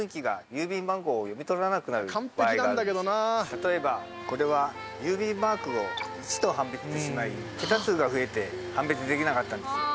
例えば、これは郵便マークを１と判別してしまい桁数が増えて判別できなかったんですよ。